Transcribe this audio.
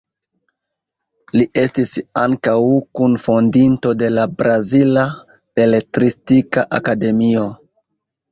Li estis ankaŭ kunfondinto de la Brazila Beletristika Akademio.